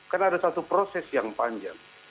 kan ada satu proses yang panjang